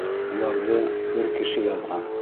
Уларҙы бер кеше яҙған.